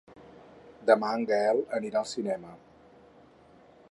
Demà en Gaël anirà al cinema.